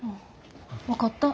分かった。